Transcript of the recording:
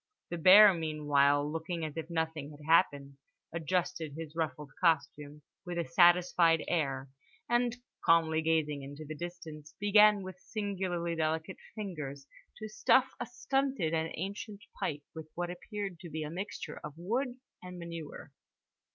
The bear meanwhile, looking as if nothing had happened, adjusted his ruffled costume with a satisfied air and (calmly gazing into the distance) began with singularly delicate fingers to stuff a stunted and ancient pipe with what appeared to be a mixture of wood and manure.